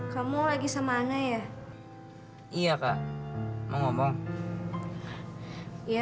terima kasih entrepreneurial awakening nozzle